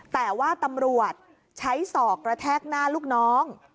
แต่ว่าตำรวจใช้ศอกกระแทกหน้าลูกน้อง